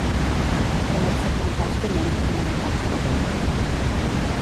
et permet segmentar els clients i comunicar-te amb ells